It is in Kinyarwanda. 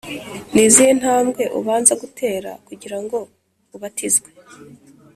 Nizihe ntambwe ubanza gutera kugira ngo ubatizwe